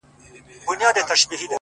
هغه خو دا گراني كيسې نه كوي-